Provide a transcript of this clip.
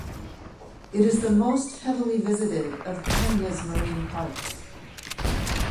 It is the most heavily visited of Kenya's marine parks.